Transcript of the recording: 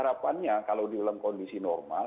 harapannya kalau di dalam kondisi normal